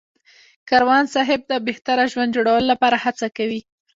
کاروان صاحب د بهتره ژوند جوړولو لپاره هڅه کوي.